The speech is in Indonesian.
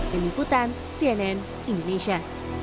denikutan cnn indonesia